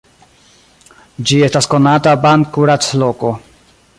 Ĝi estas konata ban-kuracloko.